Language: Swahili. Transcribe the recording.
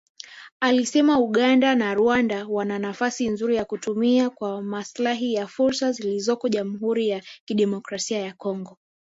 Alisema Uganda na Rwanda wana nafasi nzuri ya kutumia kwa maslahi yao fursa zilizoko Jamhuri ya Kidemokrasia ya Kongo